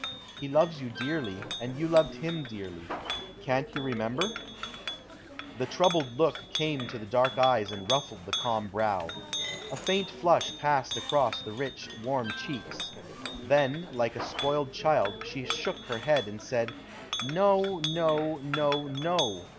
He loves you dearly, and you loved him dearly. Can't you remember?" The troubled look came to the dark eyes and ruffled the calm brow. A faint flush passed across the rich, warm cheeks. Then, like a spoiled child, she shook her head and said: "No, no, no, no!"